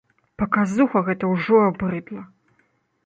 Паказуха гэта ўжо абрыдла.